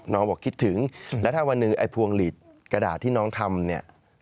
บอกคิดถึงแล้วถ้าวันหนึ่งไอ้พวงหลีดกระดาษที่น้องทำเนี่ย